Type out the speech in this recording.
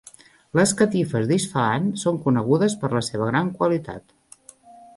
Les catifes d'Isfahan són conegudes per la seva gran qualitat.